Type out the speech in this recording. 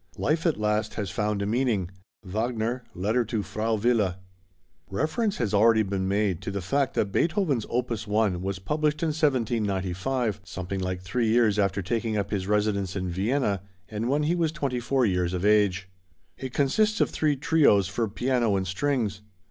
Life at last has found a meaning. WAGNER: Letter to Frau Wille. Reference has already been made to the fact that Beethoven's opus 1 was published in 1795, something like three years after taking up his residence in Vienna, and when he was twenty four years of age. It consists of three Trios for piano and strings.